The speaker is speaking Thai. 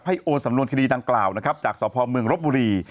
โอนสำนวนคดีดังกล่าวนะครับจากสพเมืองรบบุรี